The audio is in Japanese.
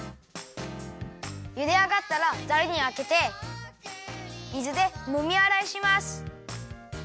ゆであがったらざるにあけてみずでもみあらいします。